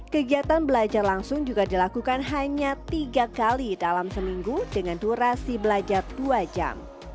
kegiatan belajar langsung juga dilakukan hanya tiga kali dalam seminggu dengan durasi belajar dua jam